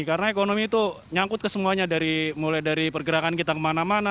karena ekonomi itu nyangkut ke semuanya mulai dari pergerakan kita kemana mana